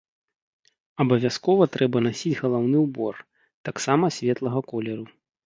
Абавязкова трэба насіць галаўны ўбор, таксама светлага колеру.